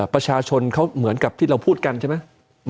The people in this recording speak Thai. ประชาชนเขาเหมือนกับที่เราพูดกันใช่ไหม